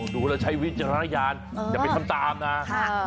ดูแล้วใช้วิจารณญาณอย่าไปทำตามนะ